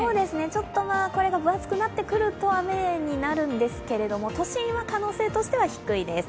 ちょっとこれが分厚くなってくると雨になるんですけれども都心は可能性としては低いです。